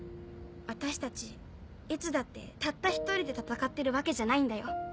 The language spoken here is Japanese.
私たちいつだってたった１人で戦ってるわけじゃないんだよ。